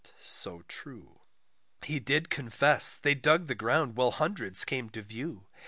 He did confess they dug the ground while hundreds came to view.